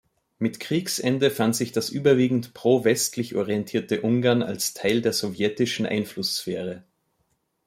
Mit Kriegsende fand sich das überwiegend pro-westlich orientierte Ungarn als Teil der sowjetischen Einflusssphäre.